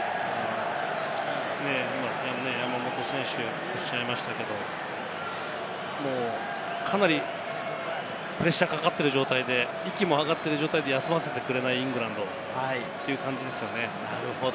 山本選手がおっしゃいましたけど、かなりプレッシャーがかかってる状態で、息も上がって休ませてくれないイングランドという感じですね。